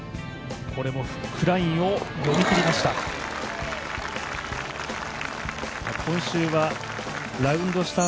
これもフックラインを読み切りました。